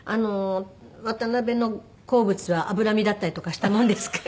渡辺の好物は脂身だったりとかしたもんですから。